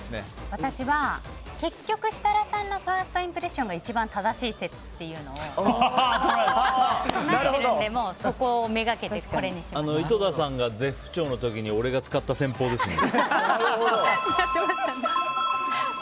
私は結局、設楽さんのファーストインプレッションが一番正しい説っていうのを唱えているので井戸田さんが絶不調の時に俺が使った戦法ですね。